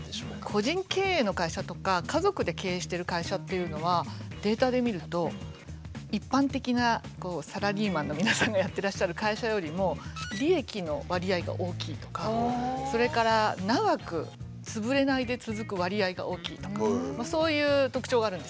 個人経営の会社とか家族で経営してる会社っていうのはデータで見ると一般的なサラリーマンの皆さんがやってらっしゃる会社よりも利益の割合が大きいとかそれから長く潰れないで続く割合が大きいとかそういう特徴があるんです。